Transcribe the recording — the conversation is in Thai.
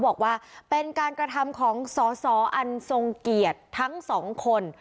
บอกว่าเป็นการกระทำของสอสออันทรงเกียรติทั้งสองคน